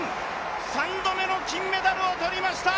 ３度目の金メダルを取りました！